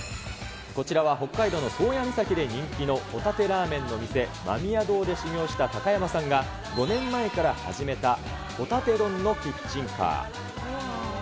こちらは北海道の宗谷岬で人気のほたてラーメンの店、間宮堂で修業した高山さんが、５年前から始めたほたて丼のキッチンカー。